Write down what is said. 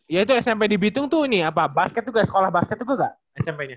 ya itu smp di bitung tuh ini apa basket juga sekolah basket juga nggak smp nya